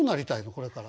これから。